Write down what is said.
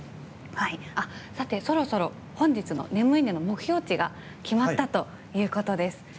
さて、そろそろ本日の眠いいね！の目標値が決まったということです。